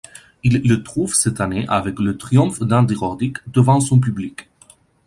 Il le trouve cette année avec le triomphe d'Andy Roddick devant son public.